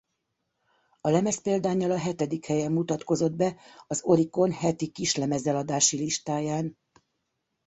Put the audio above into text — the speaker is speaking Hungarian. A lemez példánnyal a hetedik helyen mutatkozott be az Oricon heti kislemezeladási-listáján.